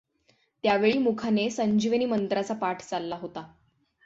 त्या वेळी मुखाने संजीवनी मंत्राचा पाठ चालला होता.